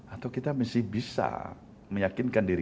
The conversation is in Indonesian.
atau kita mesti bisa meyakinkan diri